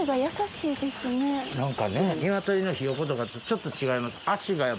何かねぇニワトリのひよことかとちょっと違います。